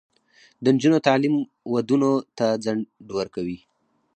د نجونو تعلیم ودونو ته ځنډ ورکوي.